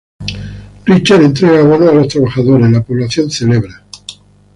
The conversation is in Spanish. Richard entrega bonos a los trabajadores, la población celebra.